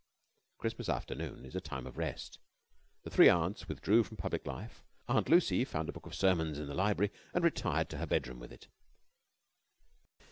Christmas afternoon is a time of rest. The three aunts withdrew from public life. Aunt Lucy found a book of sermons in the library and retired to her bedroom with it.